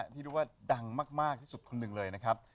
ที่เรียกว่าดังมากที่สุดคนหนึ่งเลยนะครับ